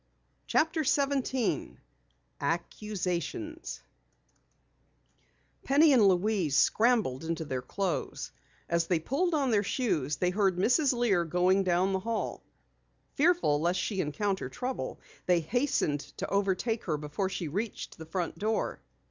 CHAPTER 17 ACCUSATIONS Penny and Louise scrambled into their clothes. As they pulled on their shoes, they heard Mrs. Lear going down the hall. Fearful lest she encounter trouble, they hastened to overtake her before she reached the front door.